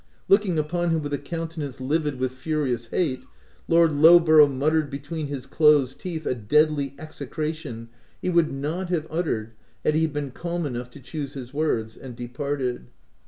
Looking upon him with a countenance livid with furious hate, Lord Lowborough muttered between his closed teeth, a deadly execration he would not have uttered had he been calm enough to choose his words, and departed.